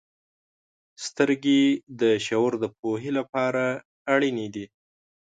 • سترګې د شعور د پوهې لپاره اړینې دي.